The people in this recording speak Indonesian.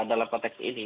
dalam konteks ini